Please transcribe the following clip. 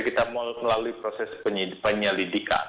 kita melalui proses penyelidikan